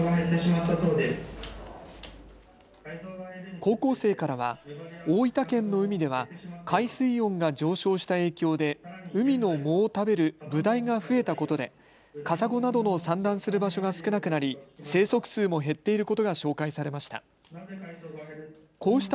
高校生からは大分県の海では海水温が上昇した影響で海の藻を食べるブダイが増えたことでカサゴなどの産卵する場所が少なくなり生息数も減っていることが紹介されました。